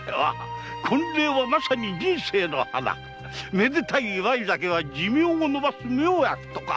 めでたい祝い酒は寿命をのばす妙薬とか。